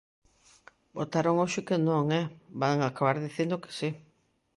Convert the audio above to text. Votaron hoxe que non, ¡eh!, van acabar dicindo que si.